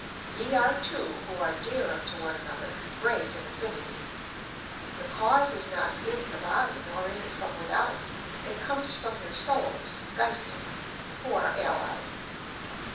Ye are two who are dear unto one another; great in affinity. The cause is not in the body, nor is it from without; it comes from your souls (Geisten), who are allied.